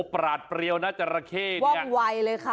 ปราดเปรียวนะจราเข้เนี่ย